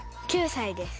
９歳です。